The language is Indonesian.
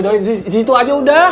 di situ aja udah